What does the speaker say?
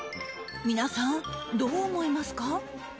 皆さんどう思いますか？